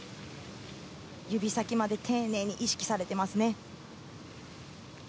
指先まで丁寧に意識されていますね。